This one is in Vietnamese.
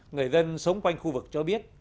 người dân sống quanh khu vực cho biết